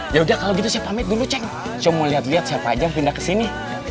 ya udah kalau gitu saya pamit dulu cek cuma lihat lihat siapa aja yang pindah ke sini